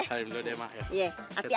salim dulu deh mak saya terima ya